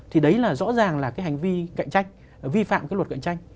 thì đấy là rõ ràng là cái hành vi cạnh tranh vi phạm cái luật cạnh tranh